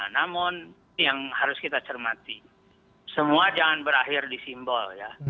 namun yang harus kita cermati semua jangan berakhir di simbol ya